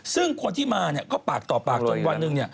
ซึ่งคนที่มาก็ปากต่อปากจนวันหนึ่ง